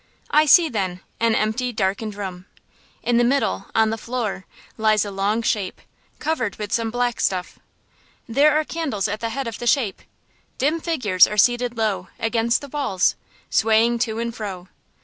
I see, then, an empty, darkened room. In the middle, on the floor, lies a long Shape, covered with some black stuff. There are candles at the head of the Shape. Dim figures are seated low, against the walls, swaying to and fro.